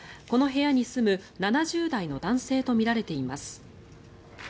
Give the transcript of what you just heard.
この部屋に住む７０代の男性とみられています。